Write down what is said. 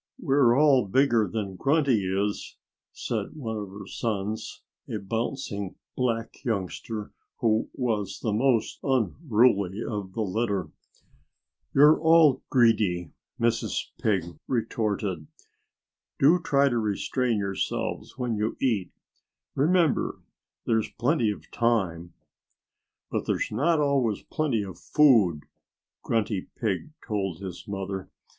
"We're all bigger than Grunty is," said one of her sons a bouncing black youngster who was the most unruly of the litter. "You're all greedy," Mrs. Pig retorted. "Do try to restrain yourselves when you eat. Remember there's plenty of time." "But there's not always plenty of food," Grunty Pig told his mother.